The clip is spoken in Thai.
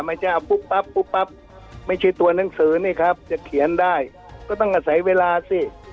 ไม่ใช่เอาปุ๊บปั๊บปุ๊บปั๊บไม่ใช่ตัวหนังสือนี่ครับจะเขียนได้ก็ต้องอาศัยเวลาสิ